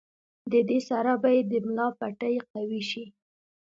د دې سره به ئې د ملا پټې قوي شي